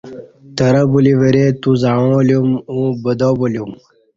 ترہ بلی ورے توزعاں لیوم ا ں بدابلیوم